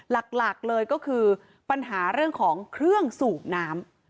หลักเลยก็คือปัญหาเรื่องของเครื่องสูบน้ำ